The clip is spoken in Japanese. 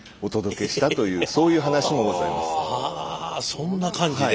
そんな感じで？